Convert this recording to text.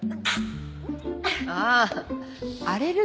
ああアレルギー。